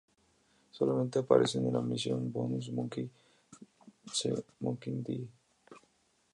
Solamente aparecen en la misión bonus "Monkey See, Monkey Die".